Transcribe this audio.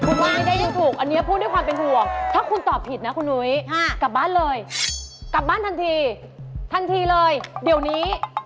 คุณว่าได้เรื่องถูกอันนี้พูดด้วยความเป็นห่วงถ้าคุณตอบผิดนะคุณนุ้ยกลับบ้านเลยกลับบ้านทันทีทันทีเลยเดี๋ยวนี้